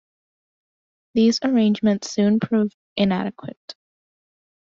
These arrangement soon proved inadequate.